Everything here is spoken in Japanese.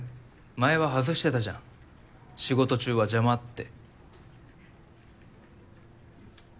前は外してたじゃん仕事中は邪魔って。